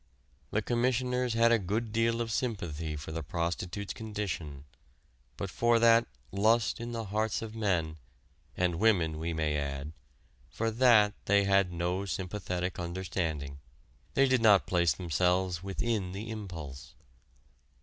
The Commissioners had a good deal of sympathy for the prostitute's condition, but for that "lust in the hearts of men," and women we may add, for that, they had no sympathetic understanding. They did not place themselves within the impulse.